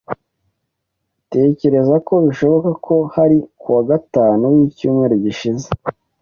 Ntekereza ko bishoboka ko hari kuwa gatanu wicyumweru gishize.